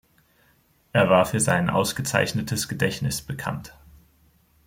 Er war für sein ausgezeichnetes Gedächtnis bekannt.